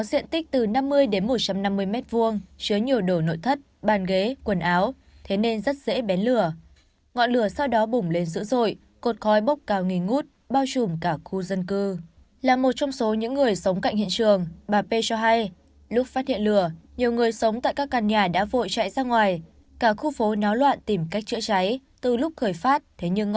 xin chào và hẹn gặp lại các bạn trong những video tiếp theo